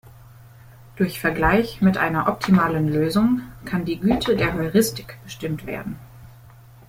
Durch Vergleich mit einer optimalen Lösung kann die Güte der Heuristik bestimmt werden.